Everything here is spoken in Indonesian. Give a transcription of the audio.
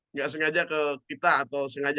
nggak sengaja ke kita atau sengaja